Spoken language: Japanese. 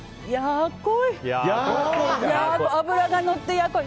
やっこい！